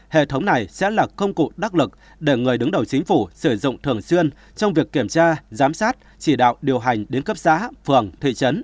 hệ thống này sẽ là công cụ đắc lực để người đứng đầu chính phủ sử dụng thường xuyên trong việc kiểm tra giám sát chỉ đạo điều hành đến cấp xã phường thị trấn